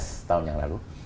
jadi sebelas tahun yang lalu